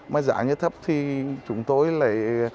mà giá như thấp thì chúng tôi là